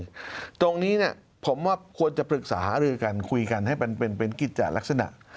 คลุมตัวตรงนี้ผมว่าควรจะปรึกษาคุยกันให้เป็นกิจจาลักษณะ